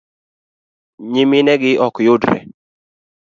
nyiminegi ok yudre